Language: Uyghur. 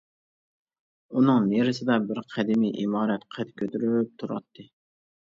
ئۇنىڭ نېرىسىدا بىر قەدىمىي ئىمارەت قەد كۆتۈرۈپ تۇراتتى.